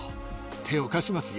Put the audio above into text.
手を貸しますよ。